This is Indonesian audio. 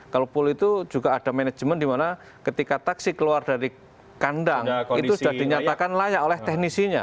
kalau pool itu juga ada manajemen dimana ketika taksi keluar dari kandang itu sudah dinyatakan layak oleh teknisinya